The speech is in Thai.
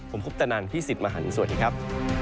ผมคุปตะนันพี่สิทธิ์มหันฯสวัสดีครับ